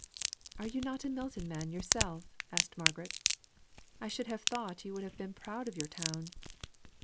"Are you not a Milton man yourself?" asked Margaret. "I should have thought you would have been proud of your town."